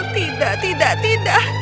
tidak tidak tidak